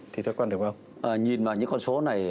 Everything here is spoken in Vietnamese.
thì thưa quán được không nhìn vào những con số này